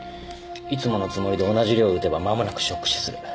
いつものつもりで同じ量を打てば間もなくショック死する。